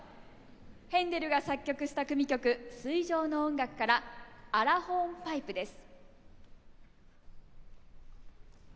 ヘンデルが作曲した組曲「水上の音楽」から「アラ・ホーンパイプ」です。